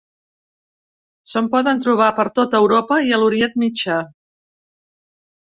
Se'n poden trobar per tota Europa i a l'Orient Mitjà.